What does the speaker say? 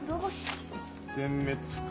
全滅か。